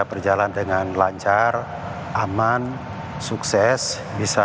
berjalan dengan lancar aman sukses bisa